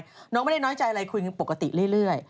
น้องไม่ได้น้อยใจอะไรคุยกันปกติเรื่อย